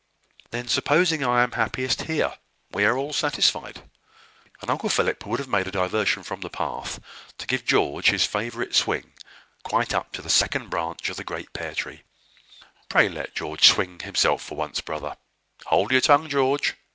"Then, supposing I am happiest here, we are all satisfied." And Uncle Philip would have made a diversion from the path to give George his favourite swing, quite up to the second branch of the great pear tree. "Pray let George swing himself for once, brother. Hold your tongue, George!